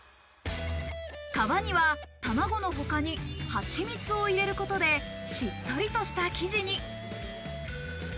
皮には卵のほかにはちみつを入れることで、しっとりとした生地に。